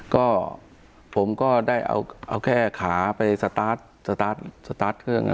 ก็ผมก็ได้เอาเอาแค่ขาไปสตาร์ทสตาร์ทเครื่องอ่ะ